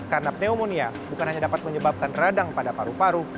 karena pneumonia bukan hanya dapat menyebabkan radang pada paru paru